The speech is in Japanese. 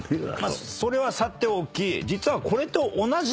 それはさておき実はこれと。